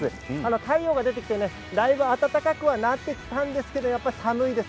太陽が出てきて、だいぶ暖かくはなってきたんですがやはり寒いです。